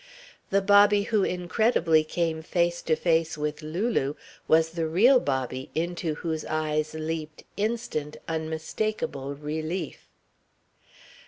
The Bobby who incredibly came face to face with Lulu was the real Bobby into whose eyes leaped instant, unmistakable relief.